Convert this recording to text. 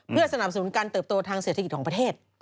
เพื่อสนับสนุนการเติบโตทางเศรษฐกิจของประเทศ